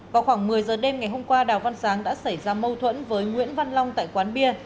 vào khoảng một mươi giờ đêm ngày hôm qua đào văn sáng đã xảy ra mâu thuẫn với nguyễn văn long tại quán bia